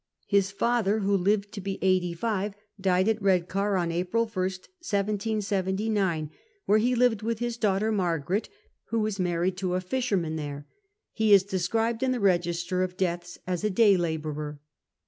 Ilis father, who lived to be eighty five, died at Kedcar on April 1st, 1779, where he lived Avith his daughter Margsiret, Avho was married to a fisherman there. He is described in the register of deaths as a day labourer.